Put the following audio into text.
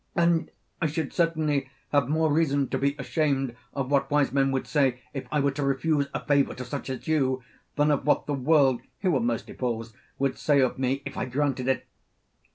And I should certainly have more reason to be ashamed of what wise men would say if I were to refuse a favour to such as you, than of what the world, who are mostly fools, would say of me if I granted it.'